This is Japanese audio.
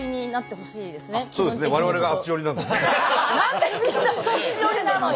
今日は何でみんなそっち寄りなのよ！